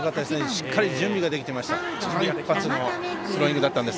しっかり準備ができていました。